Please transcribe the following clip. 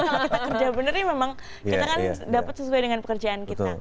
karena kalau kita kerja bener ini memang kita kan dapat sesuai dengan pekerjaan kita